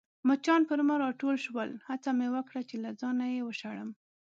مچان پر ما راټول شول، هڅه مې وکړل چي له ځانه يې وشړم.